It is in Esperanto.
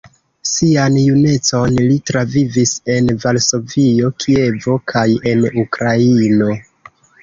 Sian junecon li travivis en Varsovio, Kievo kaj en Ukraino.